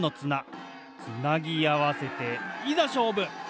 つなぎあわせていざしょうぶ！